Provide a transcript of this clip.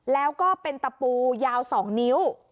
แล้วก็เป็นตะปูยาว๒นิ้ว